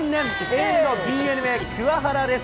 ＡのＤｅＮＡ、桑原です。